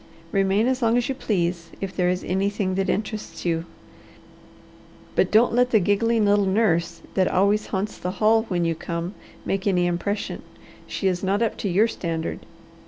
Remain as long as you please if there is anything that interests you; but don't let the giggling little nurse that always haunts the hall when you come make any impression. She is not up to your standard."